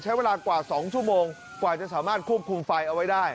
ใช้เวลากว่า๒ชั่วโมงกว่าจะสามารถควบคุมไฟเอาไว้ได้